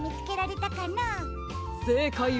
せいかいは。